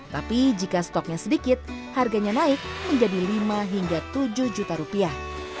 tapi jika stoknya sedikit harganya naik menjadi lima hingga tujuh juta rupiah